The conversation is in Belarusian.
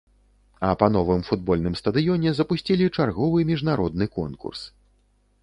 А па новым футбольным стадыёне запусцілі чарговы міжнародны конкурс.